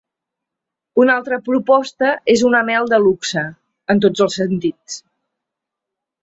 Una altra proposta és una mel de luxe, en tots els sentits.